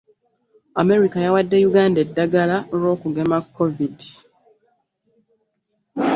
Amerika yawadde Uganda eddagala lw'okugema kovidi.